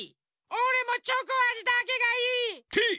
おれもチョコあじだけがいい！てい！